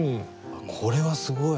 これはすごい。